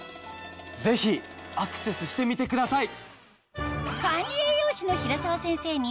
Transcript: ぜひアクセスしてみてください！